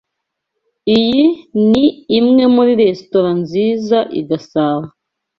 Iyi ni imwe muri resitora nziza i Gasabo.